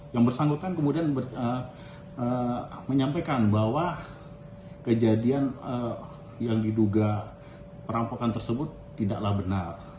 yang bersangkutan kemudian menyampaikan bahwa kejadian yang diduga perampokan tersebut tidaklah benar